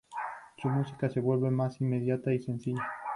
Su música se vuelve más inmediata y sencilla.